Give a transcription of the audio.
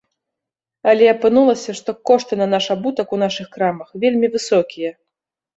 Але апынулася, што кошты на наш абутак у нашых крамах вельмі высокія.